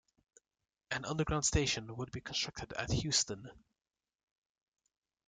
An underground station would be constructed at Heuston.